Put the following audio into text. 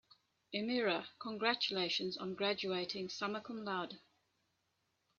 "Amira, congratulations on graduating summa cum laude."